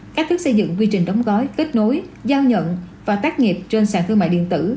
cách thức xây dựng quy trình đóng gói kết nối giao nhận và tác nghiệp trên sàn thương mại điện tử